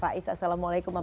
assalamualaikum wr wb